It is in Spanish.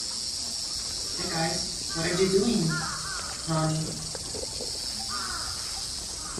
Actualmente el puesto de Secretaria General corresponde a la economista irlandesa Catherine Day.